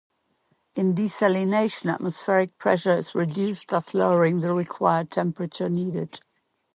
In desalination, atmospheric pressure is reduced, thus lowering the required temperature needed.